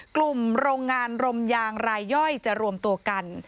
กลุ่มโรงงานรมยางรายย่อยจะรวมตัวกัน